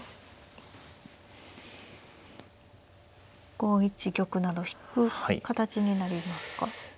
５一玉など引く形になりますか。